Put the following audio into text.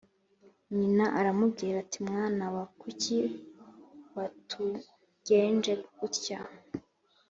nyina aramubwira ati mwana wa kuki watugenje utya